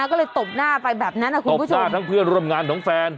ก็เลยตบหน้าไปแบบนั้นนะคุณผู้ชมทราบทั้งเพื่อนร่วมงานของแฟน